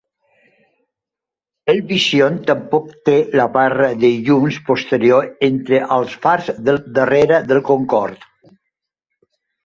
El Vision tampoc té la barra de llums posterior entre els fars del darrere del Concorde.